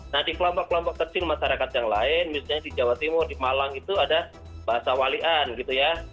nah di kelompok kelompok kecil masyarakat yang lain misalnya di jawa timur di malang itu ada bahasa walian gitu ya